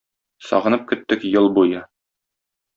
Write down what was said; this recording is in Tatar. Сагынып көттек ел буе.